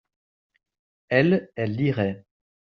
elles, elles liraient.